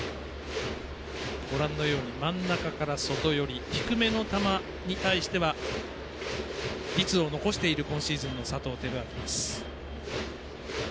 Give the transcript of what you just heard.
ご覧のように真ん中から外寄り低めの球に対しては率を残している今シーズンの佐藤輝明です。